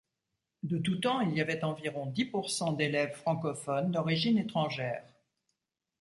De tout temps il y avait environ dix pour cent d'élèves francophones d'origine étrangère.